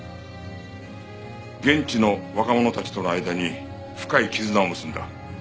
現地の若者たちとの間に深い絆を結んだ。